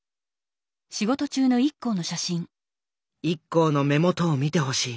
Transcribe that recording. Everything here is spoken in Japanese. ＩＫＫＯの目元を見てほしい。